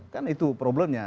kan itu problemnya